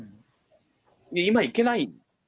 今行けない。